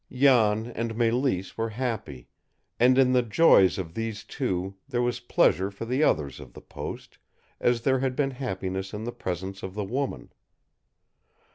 Jan and Mélisse were happy; and in the joys of these two there was pleasure for the others of the post, as there had been happiness in the presence of the woman.